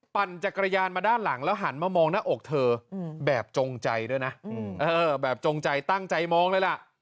ปั่นจักรยานมาด้านหลังแล้วหันมามองหน้าอกเธอแบบจงใจด้วยนะแบบจงใจตั้งใจมองเลยล่ะ